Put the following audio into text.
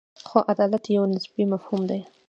خو عدالت یو نسبي مفهوم دی.